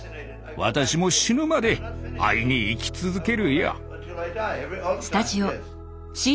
私も死ぬまで会いに行き続けるよ。